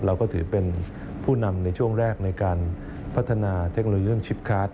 เราก็ถือเป็นผู้นำในช่วงแรกในการพัฒนาเทคโนโลยีชิปคาร์ด